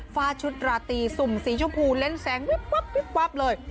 ฝ้าชุดราตรีสุ่มสีชมพูเล่นแสงวิบวับวิบวับเลย